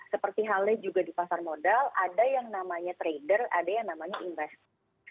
seperti halnya juga di pasar modal ada yang namanya trader ada yang namanya investor